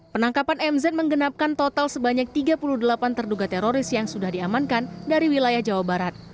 penangkapan mz menggenapkan total sebanyak tiga puluh delapan terduga teroris yang sudah diamankan dari wilayah jawa barat